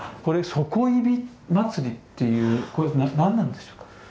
これ「ソコイビまつり」っていうこれ何なんでしょうか？